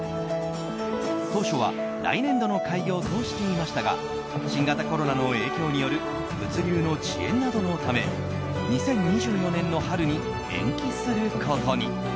当初は来年度の開業としていましたが新型コロナの影響による物流の遅延などのため２０２４年の春に延期することに。